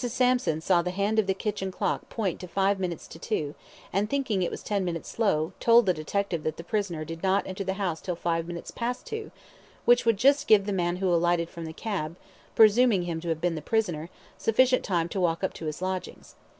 Sampson saw the hand of her kitchen clock point to five minutes to two, and, thinking it was ten minutes slow, told the detective that the prisoner did not enter the house till five minutes past two, which would just give the man who alighted from the cab (presuming him to have been the prisoner) sufficient time to walk up to his lodgings.